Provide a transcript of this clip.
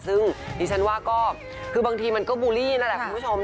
ซึ่งดิฉันว่าก็คือบางทีมันก็บูลลี่นั่นแหละคุณผู้ชม